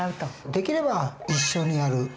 できれば一緒にやる。